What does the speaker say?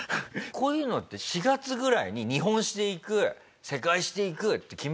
こういうのって４月ぐらいに日本史でいく世界史でいくって決めるもんじゃないんですか？